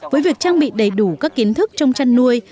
với việc trang bị đầy đủ các kiến thức trong chăn nuôi